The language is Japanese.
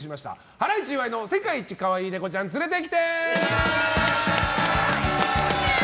ハライチ岩井の世界一かわいいネコちゃん連れてきて！